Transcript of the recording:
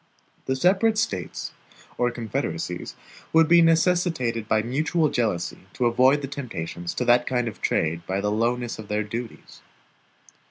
The separate States or confederacies would be necessitated by mutual jealousy to avoid the temptations to that kind of trade by the lowness of their duties.